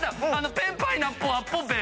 ペンパイナッポーアッポーペン。